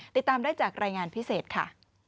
ติดตามได้จากรายงานพิเศษค่ะ